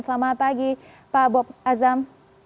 selamat pagi pak bob azam